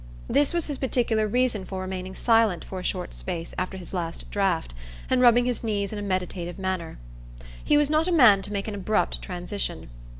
This was his particular reason for remaining silent for a short space after his last draught, and rubbing his knees in a meditative manner. He was not a man to make an abrupt transition.